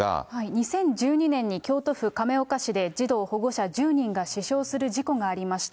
２０１２年に京都府亀岡市で児童、保護者１０人が死傷する事故がありました。